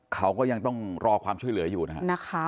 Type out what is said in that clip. เขาก็ยังต้องรอความช่วยเหลืออยู่นะครับ